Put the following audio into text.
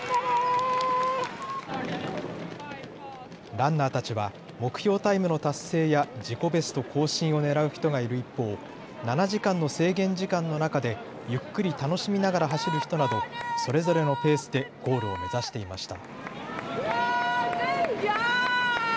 ランナーたちは目標タイムの達成や自己ベスト更新をねらう人がいる一方、７時間の制限時間の中でゆっくり楽しみながら走る人などそれぞれのペースでゴールを目指していました。